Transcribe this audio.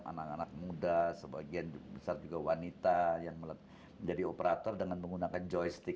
anak anak muda sebagian besar juga wanita yang menjadi operator dengan menggunakan joystick